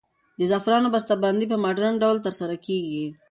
د زعفرانو بسته بندي په مډرن ډول ترسره کیږي.